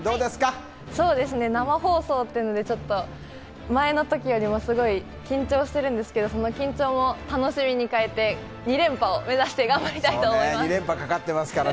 生放送っていうので前のときよりもすごく緊張しているんですけども楽しみに変えて、２連覇を目指して頑張りたいと思います。